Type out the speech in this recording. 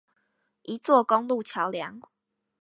一座公路橋梁